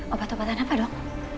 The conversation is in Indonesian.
obat obatan apa dok